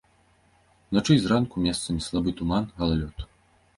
Уначы і зранку месцамі слабы туман, галалёд.